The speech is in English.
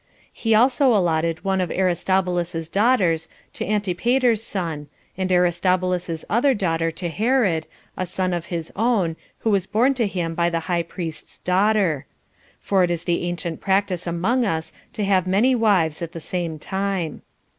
He also allotted one of Aristobulus's daughters to Antipater's son, and Aristobulus's other daughter to Herod, a son of his own, who was born to him by the high priest's daughter; for it is the ancient practice among us to have many wives at the same time.